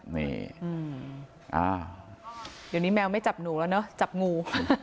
นี่เดี๋ยวนี้แมวไม่จับหนูแล้วเนอะจับงู